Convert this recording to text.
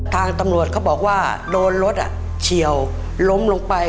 ทางตำรวจเขาบอกว่าโดนรถเฉียวล้มลงไป